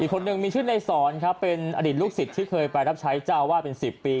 คนหนึ่งมีชื่อในสอนครับเป็นอดีตลูกศิษย์ที่เคยไปรับใช้เจ้าวาดเป็น๑๐ปี